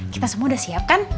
kita semua udah siap kan